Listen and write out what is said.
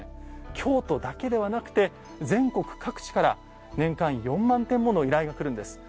京都だけではなくて全国各地から年間４万点もの依頼がくるんです。